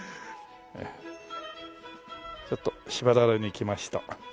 ちょっとしばられに来ました。